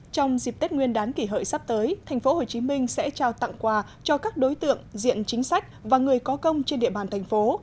trong dịp tết nguyên đán kỷ hợi sắp tới tp hcm sẽ trao tặng quà cho các đối tượng diện chính sách và người có công trên địa bàn thành phố